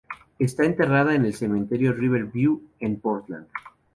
Está enterrada en el cementerio de River View en Portland.